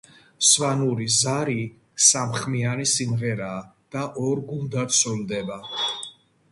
სვანური ზარი სამხმიანი სიმღერაა და ორ გუნდად სრულდება.